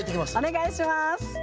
お願いします